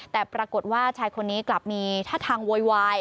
แต่ปรากฏว่าชายคนนี้กลับมีท่าทางโวยวาย